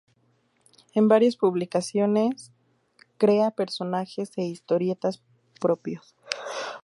En varias publicaciones crea personajes e historietas propios.